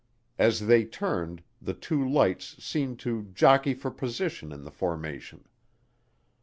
As they turned, the two lights seemed to "jockey for position in the formation."